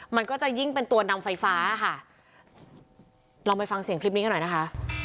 มันก็จะยิ่งเป็นตัวนำไฟฟ้าค่ะลองไปฟังเสียงคลิปนี้กันหน่อยนะคะ